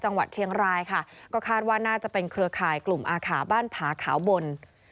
จังหวัดเชียงรายค่ะก็คาดว่าน่าจะเป็นเครือข่ายกลุ่มอาขาบ้านผาขาวบน